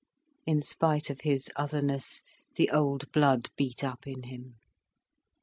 In spite of his otherness, the old blood beat up in him.